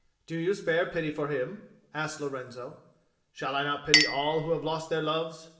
"Do you spare pity for him?" asked Lorenzo. "Shall I not pity all who have lost their loves?"